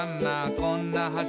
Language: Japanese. こんな橋」